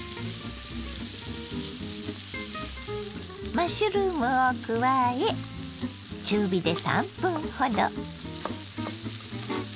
マッシュルームを加え中火で３分ほど。